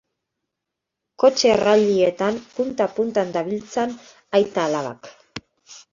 Kotxe rallyetan punta-puntan dabiltzan aita-alabak.